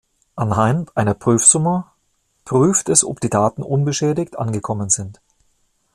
Anhand einer Prüfsumme prüft es ob die Daten unbeschädigt angekommen sind.